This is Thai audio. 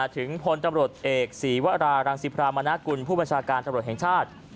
ถึงพลตำรวจเอกศีวรารังสิพรามณกุลผู้บัญชาการตำรวจแห่งชาติ